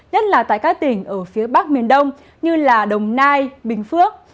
nhất là tại các tỉnh ở phía bắc miền đông như đồng nai bình phước